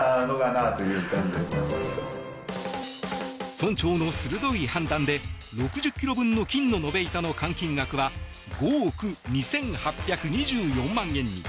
村長の鋭い判断で６０ｋｇ分の金の延べ板の換金額は５億２８２４万円に。